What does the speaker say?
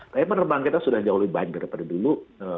tapi penerbangan kita sudah jauh lebih baik daripada dulu